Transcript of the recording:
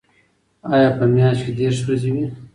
آیا په میاشت کې دېرش ورځې وي؟